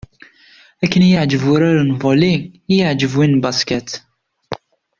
Akken i y-iεǧeb wurar n volley i y-iεǧeb win n basket.